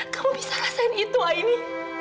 kamu bisa rasain itu aini